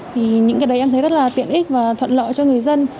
thì những cái đấy em thấy rất là tiện ích và thuận lợi cho người dân